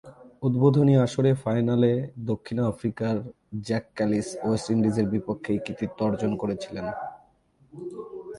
উদ্বোধনী আসরের ফাইনালে দক্ষিণ আফ্রিকার জ্যাক ক্যালিস ওয়েস্ট ইন্ডিজের বিপক্ষে এ কৃতিত্ব অর্জন করেছিলেন।